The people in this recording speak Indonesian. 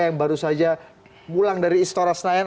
yang baru saja pulang dari istora senayan